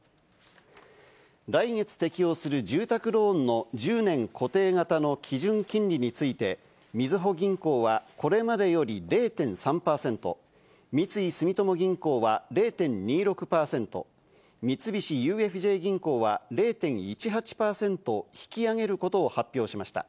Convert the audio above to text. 来月適用する住宅ローンの１０年固定型の基準金利について、みずほ銀行はこれまでより０．３％、三井住友銀行は０．２６％、三菱ＵＦＪ銀行は０．１８％引き上げることを発表しました。